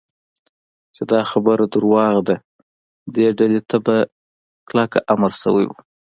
چې دا خبره دروغ ده، دې ډلې ته په کلکه امر شوی و.